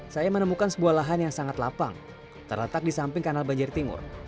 saya menemukan sebuah lahan yang sangat lapang terletak di samping kanal banjir timur